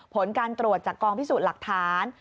ผลการตรวจจากกองพิสูจน์หลักฐาน